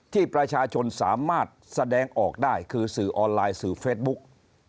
ที่ประชาชนสามารถแสดงออกได้คือสื่อออนไลน์สื่อเฟซบุ๊ก